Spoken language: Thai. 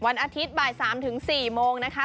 วันอาทิตย์บ่าย๓ถึง๔โมงนะคะ